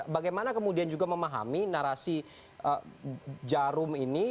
bagaimana kemudian juga memahami narasi jarum ini